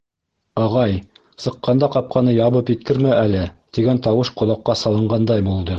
— Ағай, сыҡҡанда ҡапҡаны ябып еткермә әле, — тигән тауыш ҡолаҡҡа салынғандай булды...